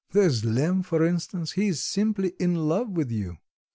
There's Lemm for instance; he is simply in love with you."